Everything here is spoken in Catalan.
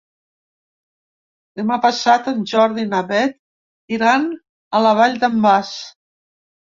Demà passat en Jordi i na Beth iran a la Vall d'en Bas.